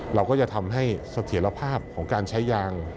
เราก็จะทำให้เสถียรภาพของการใช้ยาง